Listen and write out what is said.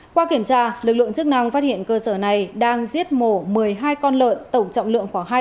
qua kiểm tra lực lượng chức năng phát hiện cơ sở này đang giết mổ một mươi hai con lợn tổng trọng lượng khoảng